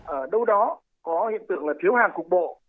ở đâu đó có hiện tượng là thiếu hàng cục bộ